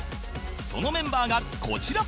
そのメンバーがこちら